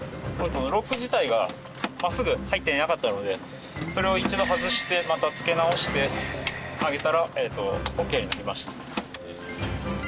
このロック自体が真っすぐ入っていなかったのでそれを一度外してまた付け直してあげたらオッケーになりました。